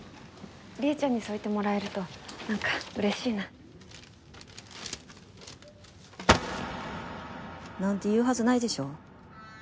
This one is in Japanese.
りえちゃんにそう言ってもらえるとなんか嬉しいな。なんて言うはずないでしょ？